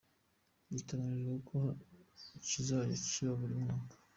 Biteganyijwe ko kizajya kiba buri mwaka.